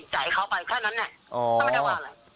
เขาบอกป้าว่ากุ้งหล่นแล้วป้าก็ติดใจเขาไปแค่นั้นเนี่ย